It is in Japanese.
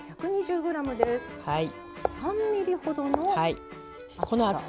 ３ｍｍほどの厚さ。